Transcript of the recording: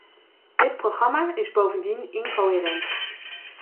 Dit programma is bovendien incoherent.